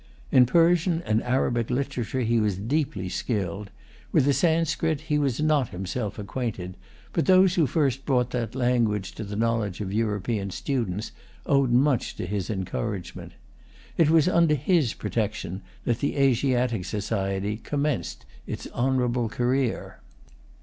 In Persian and Arabic literature he was deeply skilled. With the Sanskrit he was not himself acquainted; but those who first brought that language to the knowledge of European students owed much to his encouragement. It was under his protection that the Asiatic Society commenced its honorable career.